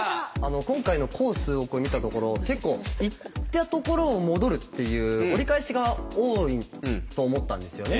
今回のコースを見たところ結構行ったところを戻るっていう折り返しが多いと思ったんですよね。